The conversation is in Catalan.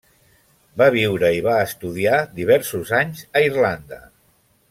Va viure i va estudiar diversos anys a Irlanda.